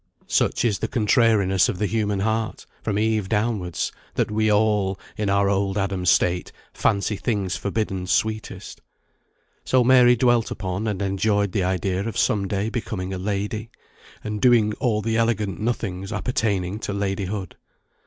Such is the contrariness of the human heart, from Eve downwards, that we all, in our old Adam state, fancy things forbidden sweetest. So Mary dwelt upon and enjoyed the idea of some day becoming a lady, and doing all the elegant nothings appertaining to ladyhood.